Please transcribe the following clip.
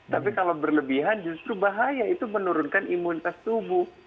tapi kalau berlebihan justru bahaya itu menurunkan imunitas tubuh